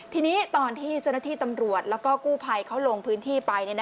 ทีนี้ตอนที่เจ้าหน้าที่ตำรวจแล้วก็กู้ภัยเขาลงพื้นที่ไป